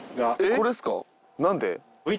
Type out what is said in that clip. これっすか？